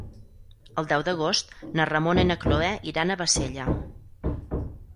El deu d'agost na Ramona i na Cloè iran a Bassella.